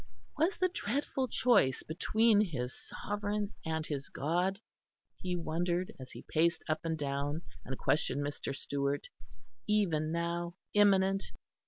Was the dreadful choice between his sovereign and his God, he wondered as he paced up and down and questioned Mr. Stewart, even now imminent?